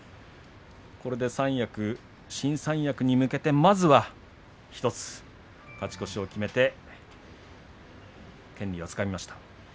これで新三役に向けてまずは１つ勝ち越しを決めて権利をつかみました。